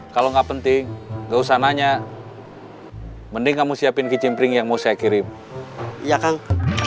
kalau nggak penting nggak usah nanya mending kamu siapin kicim pring yang mau saya kirim iya kang